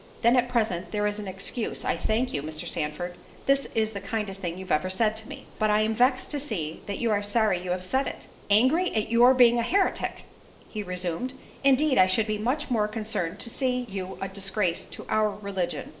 "Then, at present, there is an excuse—I thank you, Mr. Sandford—this is the kindest thing you ever said to me. But I am vext to see that you are sorry you have said it." "Angry at your being a heretic!" he resumed—"Indeed I should be much more concerned to see you a disgrace to our religion."